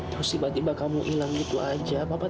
terus tiba tiba kamu hilang gitu saja